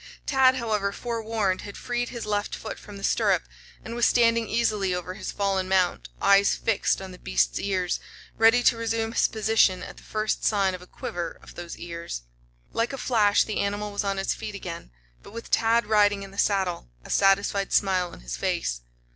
Tad, however, forewarned, had freed his left foot from the stirrup and was standing easily over his fallen mount, eyes fixed on the beast's ears, ready to resume his position at the first sign of a quiver of those ears. Like a flash the animal was on its feet again, but with Tad riding in the saddle, a satisfied smile on his face.